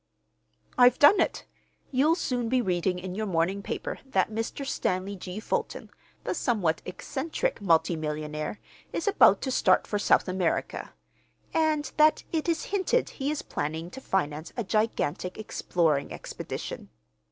"I've done it. You'll soon be reading in your morning paper that Mr. Stanley G. Fulton, the somewhat eccentric multi millionaire, is about to start for South America, and that it is hinted he is planning to finance a gigantic exploring expedition.